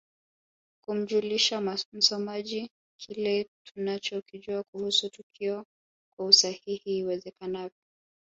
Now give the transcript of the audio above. Kumjulisha msomaji kile tunachokijua kuhusu tukio kwa usahihi iwezekanavyo